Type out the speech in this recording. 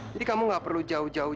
jadi kamu nggak perlu jauh jauh jalan